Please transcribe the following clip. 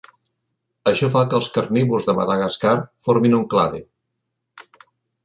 Això fa que els carnívors de Madagascar formin un clade.